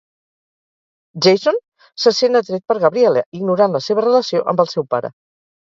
Jason se sent atret per Gabriela, ignorant la seva relació amb el seu pare.